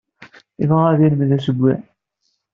Yebɣa ad yelmed assewwi.